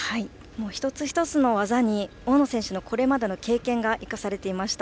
一つ一つの技に大野選手のこれまでの経験が生かされていました。